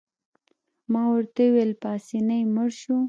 ما ورته وویل: پاسیني مړ شو.